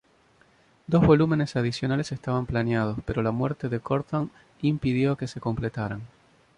Dos volúmenes adicionales estaban planeados, pero la muerte de Quorthon impidió que se completaran.